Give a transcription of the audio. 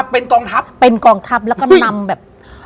เป็นกองทัพเป็นกองทัพแล้วก็นำแบบ